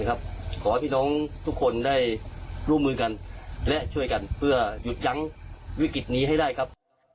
ขอให้พี่น้องทุกคนได้ร่วมมือกันและช่วยกันเพื่อหยุดยั้งวิกฤตนี้ให้ได้ครับ